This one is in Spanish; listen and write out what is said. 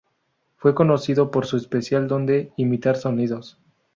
Fue conocido por su especial don de imitar sonidos.